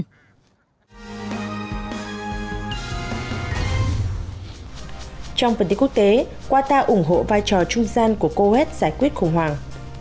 trong phần tiết quốc tế qatar ủng hộ vai trò trung gian của coet giải quyết khủng hoảng